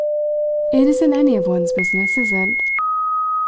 "It isn't any of one's business, is it?"